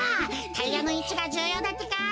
タイヤのいちがじゅうようだってか！